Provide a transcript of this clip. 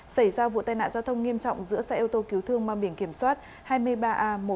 xảy ra vụ tai nạn giao thông nghiêm trọng giữa xe ô tô cứu thương mang biển kiểm soát hai mươi ba a một mươi nghìn một